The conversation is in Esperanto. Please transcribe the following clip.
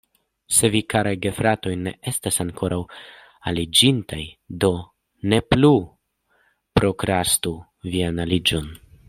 Se vi, karaj gefratoj, ne estas ankoraŭ aliĝintaj, do ne plu prokrastu vian aliĝon.